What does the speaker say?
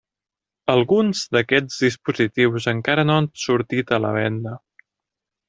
Alguns d'aquests dispositius encara no han sortit a la venda.